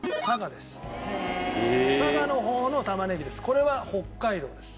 これは北海道です。